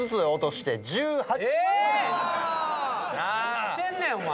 何してんねんお前！